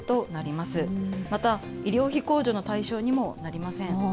また、医療費控除の対象にもなりません。